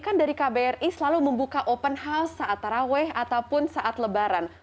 kan dari kbri selalu membuka open house saat taraweh ataupun saat lebaran